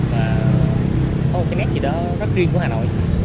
và có một cái nét gì đó rất riêng của hà nội